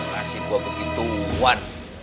lo mau kasih gue begituan